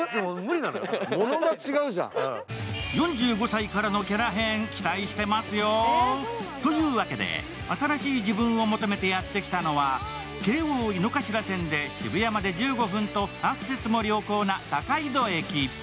４５歳からのキャラ変、期待してますよ。というわけで、新しい自分を求めてやってきたのは、京王井の頭線で渋谷まで１５分とアクセスも良好な高井戸駅。